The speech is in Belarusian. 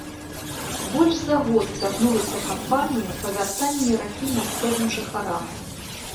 Больш за год цягнулася кампанія па вяртанні ракі мясцовым жыхарам.